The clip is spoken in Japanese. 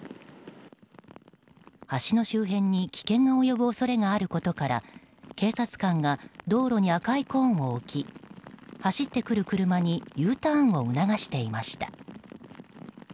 橋の周辺に危険が及ぶ恐れがあることから警察官が道路に赤いコーンを置き走ってくる車にＵターンを促していました。